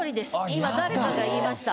今誰かが言いました。